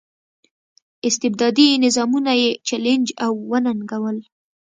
استبدادي نظامونه یې چلنج او وننګول.